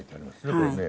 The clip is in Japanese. これね。